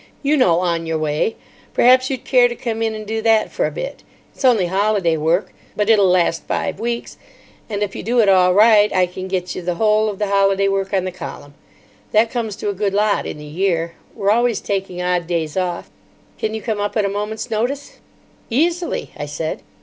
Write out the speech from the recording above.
"You know 'On Your Way.' Perhaps you'd care to come in and do that for a bit? It's only holiday work, but it'll last five weeks. And if you do it all right I can get you the whole of the holiday work on the column. That comes to a good lot in the year. We're always taking odd days off. Can you come up at a moment's notice?" "Easily," I said.